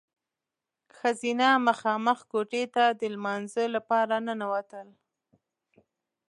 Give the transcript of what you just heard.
ښځینه مخامخ کوټې ته د لمانځه لپاره ننوتل.